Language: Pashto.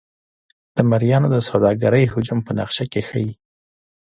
د مریانو د سوداګرۍ حجم په نقشه کې ښيي.